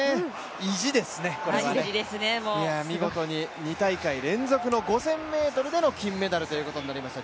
意地ですね、これはね、見事に２大会連続の５０００ｍでの金メダルになりました。